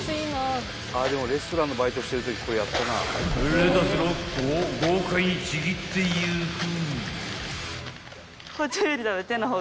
［レタス６個を豪快にちぎってゆく］